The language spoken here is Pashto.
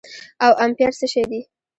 او امپير څه شي دي